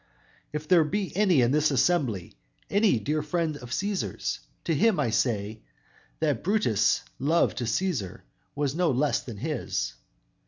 "If there be any in this assembly, any dear friend of Cæsar's, to him I say that Brutus' love to Cæsar was no less than his.